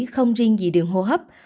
không riêng gì đường hô hấp